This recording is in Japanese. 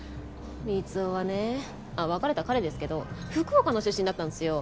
光雄はねあっ別れたカレですけど福岡の出身だったんすよ。